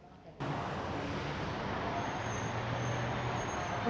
berdasarkan rekomendasi dari badan organisasi kesehatan dunia ataupun juga who